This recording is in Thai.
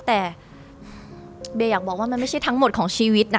แต่เบอยากบอกว่ามันไม่ใช่ทั้งหมดของชีวิตนะ